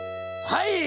はい！